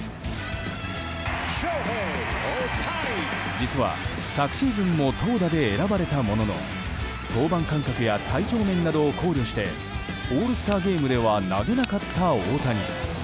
実は、昨シーズンも投打で選ばれたものの登板間隔や体調面などを考慮してオールスターゲームでは投げなかった大谷。